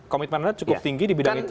komitmen anda cukup tinggi di bidang itu